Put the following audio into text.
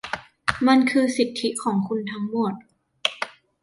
มันคือสิทธิของคุณทั้งหมด